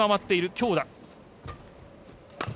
強打！